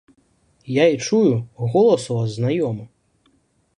Я і чую, голас у вас знаёмы!